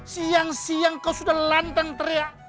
siang siang kau sudah lantang teriak